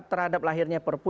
terhadap lahirnya perpu